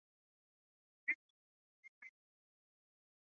牛尾树